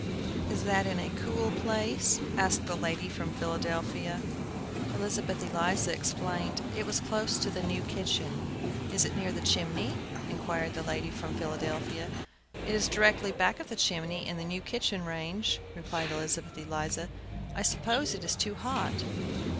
"Is that in a cool place?" asked the lady from Philadelphia. Elizabeth Eliza explained it was close by the new kitchen. "Is it near the chimney?" inquired the lady from Philadelphia. "It is directly back of the chimney and the new kitchen range," replied Elizabeth Eliza. "I suppose it is too hot!"